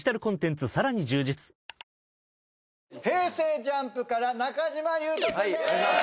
ＪＵＭＰから中島裕翔くんです